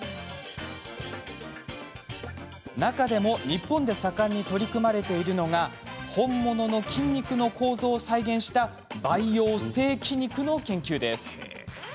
中でも日本で盛んに取り組まれているのが本物の筋肉の構造を再現した培養ステーキ肉の研究です。